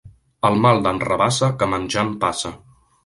El mal d'en Rabassa, que menjant passa.